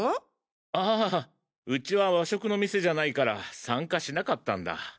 ああうちは和食の店じゃないから参加しなかったんだ。